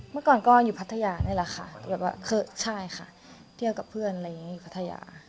เมื่อก่อนก็อยู่พัทยานี่แหละค่ะแบบว่าใช่ค่ะเที่ยวกับเพื่อนอะไรอย่างนี้อยู่พัทยา